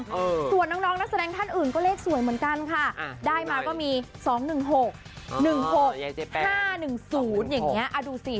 ส่วนน้องนักแสดงท่านอื่นก็เลขสวยเหมือนกันค่ะได้มาก็มี๒๑๖๑๖๕๑๐อย่างนี้ดูสิ